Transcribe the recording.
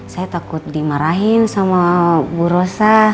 saya takut dimarahin sama bu rosa